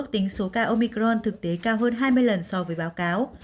tính số ca omicron thực tế cao hơn hai mươi lần so với báo cáo